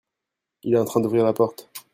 Il est en train d'ouvrir la porte.